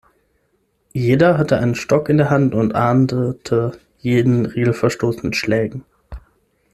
Jeder hatte einen Stock in der Hand und ahndete jeden Regelverstoß mit Schlägen.